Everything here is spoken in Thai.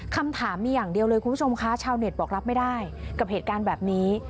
คำถามมีอย่างเดียวเลยคุณผู้ชมคะชาวเน็ตบอกรับไม่ได้กับเหตุการณ์แบบนี้